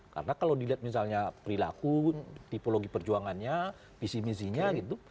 karena kalau dilihat misalnya perilaku tipologi perjuangannya visi visinya gitu